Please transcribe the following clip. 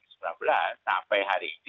dua ribu sembilan belas sampai hari ini